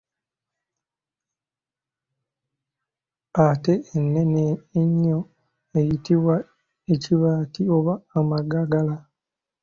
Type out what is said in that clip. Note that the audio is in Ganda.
Ate ennene ennyo eyitibwa kibaati oba magagala.